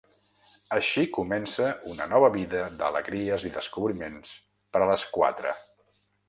Així comença una nova vida d’alegries i descobriments per a les quatre.